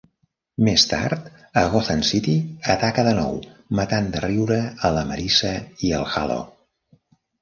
Més tard, a Gotham City, ataca de nou, matant de riure a la Marissa i el Halo.